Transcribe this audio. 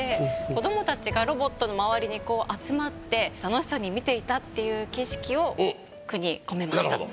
子どもたちがロボットの周りにこう集まって楽しそうに見ていたっていう景色を句に込めました。